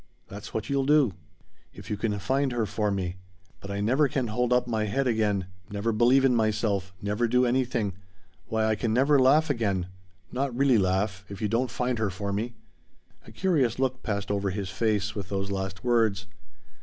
That's what you'll do." "If you can find her for me! But I never can hold up my head again never believe in myself never do anything why I never can laugh again not really laugh if you don't find her for me." A curious look passed over his face with those last words.